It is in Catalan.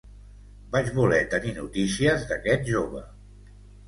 Vaig voler tenir notícies d'aquest jove